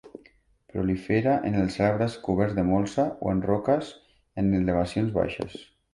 Prolifera en els arbres coberts de molsa o en roques en elevacions baixes.